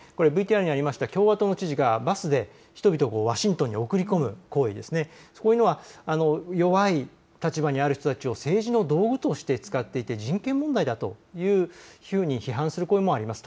ＶＴＲにありました共和党知事が人々をバスでワシントンに送り込むという行為、そこには弱い立場にある人たちを政治の道具として使っていて人権問題だというふうに批判する声もあります。